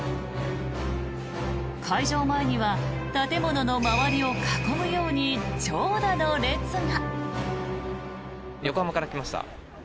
開場前には建物の周りを囲むように長蛇の列が。